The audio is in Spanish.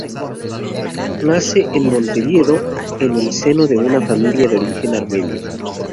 Nace en Montevideo, en el seno de una familia de origen armenio.